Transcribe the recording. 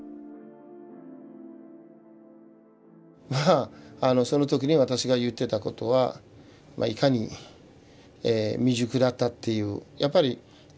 まあその時に私が言ってたことはいかに未熟だったっていう。